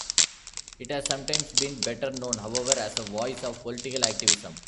It has sometimes been better known, however, as a voice of political activism.